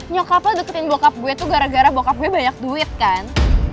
nyokap gue deketin bokap gue tuh gara gara bokap gue banyak duit kan